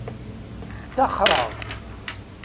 Ttaxreɣ.